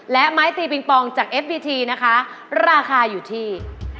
และไม้ตีปิงปองจากเอฟบีทีนะคะราคาอยู่ที่